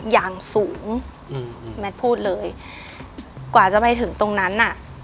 อย่างสูงอืมแมทพูดเลยกว่าจะไปถึงตรงนั้นน่ะ